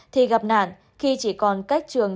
thì gặp nạn khi chỉ còn cách trường